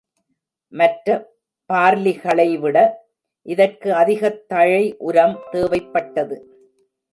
மற்ற பார்லிகளைவிட இதற்கு அதிகத் தழை உரம் தேவைப்பட்டது.